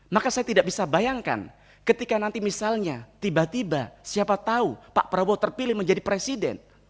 maka saya tidak bisa bayangkan ketika nanti misalnya tiba tiba siapa tahu pak prabowo terpilih menjadi presiden